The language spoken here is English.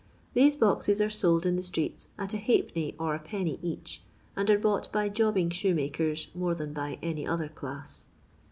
These boxes are sold in the streets at 4<i. or Id. each, and are bought by jobbing shoe rankers more than by any other class.